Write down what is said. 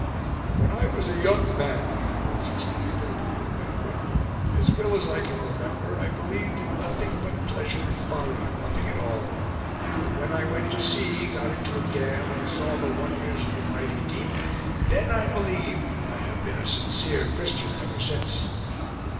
"When I was a young man," he once explained at a public banquet, "as well as I can remember, I believed in nothing but pleasure and folly nothing at all. But when I went to sea, got into a gale, and saw the wonders of the mighty deep, then I believed; and I have been a sincere Christian ever since."